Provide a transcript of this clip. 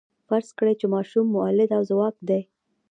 فرض کړئ چې ماشوم مؤلده ځواک دی.